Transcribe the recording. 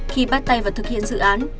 khi bắt tay vào thực hiện dự án